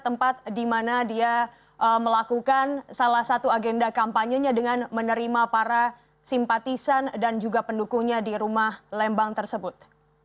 tempat di mana dia melakukan salah satu agenda kampanyenya dengan menerima para simpatisan dan juga pendukungnya di rumah lembang tersebut